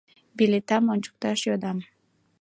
Билетдам ончыкташ йодам...